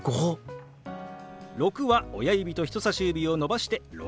「６」は親指と人さし指を伸ばして「６」。